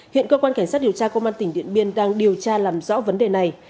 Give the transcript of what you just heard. hiện cơ quan cảnh sát điều tra công an tỉnh điện biên đang điều tra làm rõ vấn đề này